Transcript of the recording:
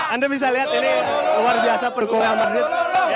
anda bisa lihat ini luar biasa pelukung real madrid